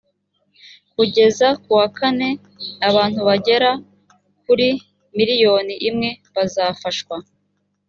kugeza mu wa kane abantu bagera kuri miriyoni imwe bazafashwa